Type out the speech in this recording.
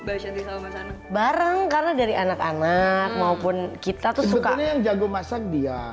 mbak shanti sama sana bareng karena dari anak anak maupun kita tuh suka jago masak dia